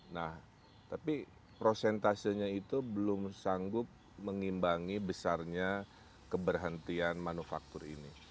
nah tapi prosentasenya itu belum sanggup mengimbangi besarnya keberhentian manufaktur ini